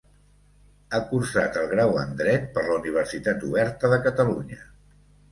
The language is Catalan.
Ha cursat el grau en Dret per la Universitat Oberta de Catalunya.